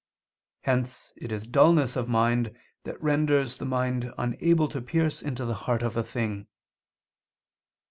Hence it is dulness of mind that renders the mind unable to pierce into the heart of a thing.